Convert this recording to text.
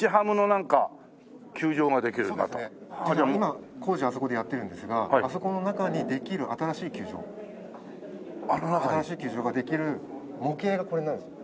今工事あそこでやってるんですがあそこの中にできる新しい球場新しい球場ができる模型がこれなんです。